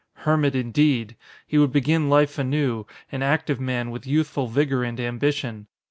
Hermit, indeed! He would begin life anew, an active man with youthful vigor and ambition.